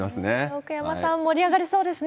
奥山さん、盛り上がりそうですね。